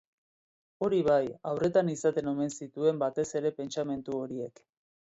Hori bai, haurretan izaten omen zituen batez ere pentsamendu horiek.